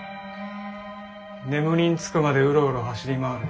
眠りにつくまでウロウロ走り回る。